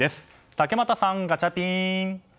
竹俣さん、ガチャピン！